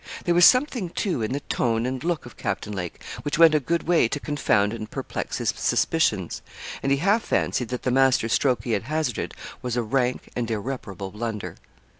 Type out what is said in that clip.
There was something, too, in the tone and look of Captain Lake which went a good way to confound and perplex his suspicions, and he half fancied that the masterstroke he had hazarded was a rank and irreparable blunder.